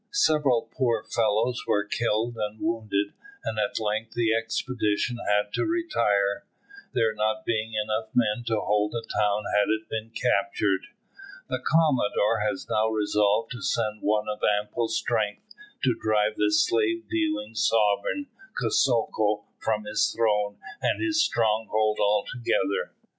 Several poor fellows were killed and wounded, and at length the expedition had to retire, there not being enough men to hold the town had it been captured. The commodore has now resolved to send one of ample strength to drive the slave dealing sovereign, Kosoko, from his throne and his stronghold altogether.